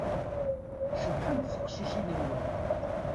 Cebḥent teqcicin-nwen.